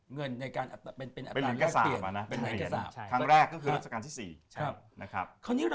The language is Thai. เงินในการเป็นอัตราแรกเปลี่ยน